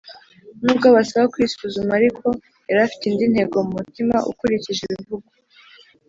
Nubwo abasaba kwisuzuma, ariko yari afite indi ntego mu mutima ukurikije ibivugwa .